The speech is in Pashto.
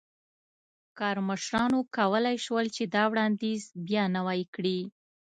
کارمشرانو کولای شول چې دا وړاندیز بیا نوی کړي.